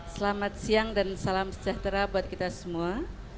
selamat siang dan salam sejahtera buat kita semua